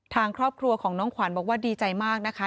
ทางครอบครัวของน้องขวัญบอกว่าดีใจมากนะคะ